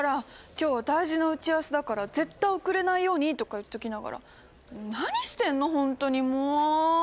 「今日は大事な打ち合わせだから絶対遅れないように」とか言っときながら何してんの本当にもう！